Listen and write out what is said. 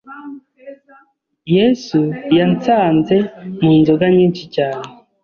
Yesu yansanze mu nzoga nyinshi cyane